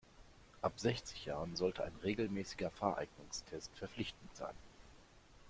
Ab sechzig Jahren sollte ein regelmäßiger Fahreignungstest verpflichtend sein.